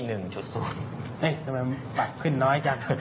เฮ่ยทำไมปรับขึ้นน้อยจัง